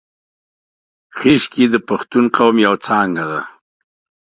خیشکي د پښتون قوم یو څانګه ده